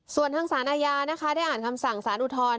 ส่วนทางสารอาญานะคะได้อ่านคำสั่งสารอุทธรณ์